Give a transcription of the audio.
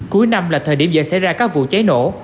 cuối năm là thời điểm dễ xảy ra các vụ cháy nổ